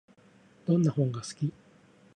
どんな本が好き？